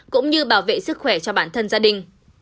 cũng như bảo vệ sức khỏe cho bản thân gia đình